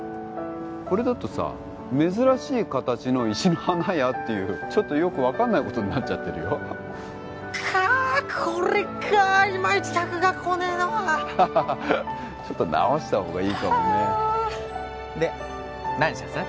これだとさ珍しい形の石の花屋っていうちょっとよく分かんないことになっちゃってるよかっこれかイマイチ客が来ねえのはハハハハちょっと直したほうがいいかもねで何にします？